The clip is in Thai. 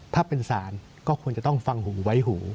ถ้าเป็นศาลก็ควรจะต้องฟังหูไว้หู